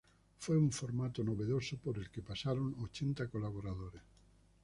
Fue un formato novedoso por el que pasaron ochenta colaboradores.